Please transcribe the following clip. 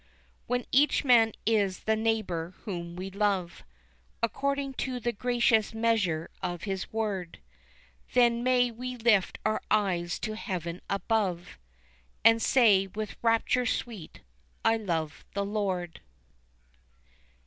When each man is the neighbor whom we love, According to the gracious measure of His word, Then may we lift our eyes to heaven above, And say with rapture sweet: I love the Lord.